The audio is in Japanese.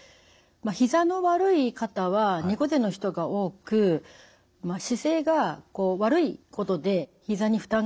ひざの悪い方は猫背の人が多く姿勢が悪いことでひざに負担がかかります。